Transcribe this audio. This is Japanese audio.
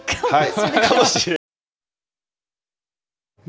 はい！